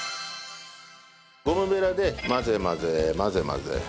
ゴムべらで混ぜ混ぜ混ぜ混ぜ。